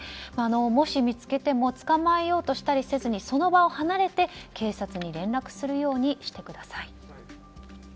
もし、見つけても捕まえようとしたりせずにその場を離れて、警察に連絡するようにしてください。